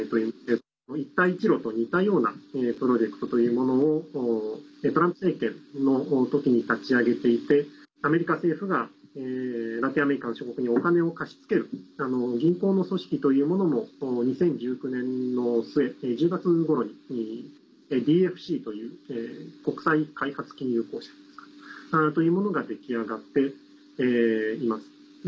一帯一路と似たようなプロジェクトというものをトランプ政権のときに立ち上げていてアメリカ政府がラテンアメリカの諸国にお金を貸し付ける銀行の組織というものも２０１９年の末、１０月ごろにＤＦＣという国際開発金融公社というものが出来上がっています。